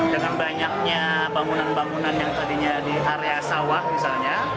dengan banyaknya bangunan bangunan yang tadinya di area sawah misalnya